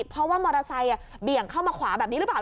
เพราะว่ามอเตอร์ไซค์เบี่ยงเข้ามาขวาแบบนี้หรือเปล่า